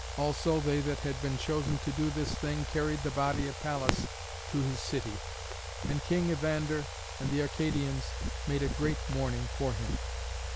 Also they that had been chosen to do this thing carried the body of Pallas to his city. And King Evander and the Arcadians made a great mourning for him.